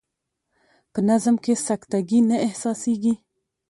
په نظم کې سکته ګي نه احساسیږي.